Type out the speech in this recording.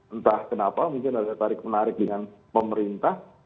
entah kenapa mungkin ada tarik menarik dengan pemerintah